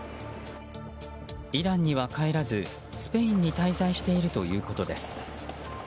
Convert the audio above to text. イランには帰らずスペインに滞在しているということです。